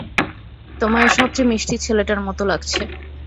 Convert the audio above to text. তোমায় সবচেয়ে মিষ্টি ছেলেটার মতো লাগছে।